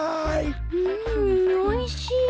うんおいしい。